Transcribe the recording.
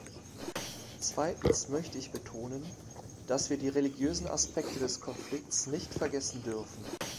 Zweitens möchte ich betonen, dass wir die religiösen Aspekte des Konflikts nicht vergessen dürfen.